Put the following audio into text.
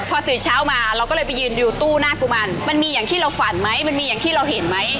พอตื่นเช้ามาเราก็เลยไปยืนดูตู้หน้ากุมันมันมีอย่างที่เราฝันไหมมันมีอย่างที่เราเห็นไหม